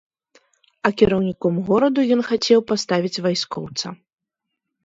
А кіраўніком гораду ён хацеў паставіць вайскоўца.